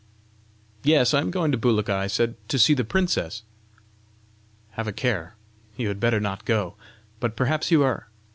"Yes, I am going to Bulika," I said, " to see the princess." "Have a care; you had better not go! But perhaps you are